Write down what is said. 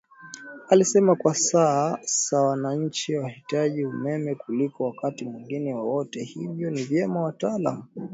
Alisema kwa Sasa wananchi wanahitaji umeme kuliko wakati mwingine wowote hivyo Ni vyema wataalamu